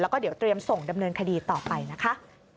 แล้วก็เดี๋ยวเตรียมส่งดำเนินคดีต่อไปนะคะ